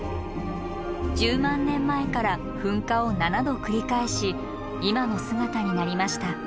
１０万年前から噴火を７度繰り返し今の姿になりました。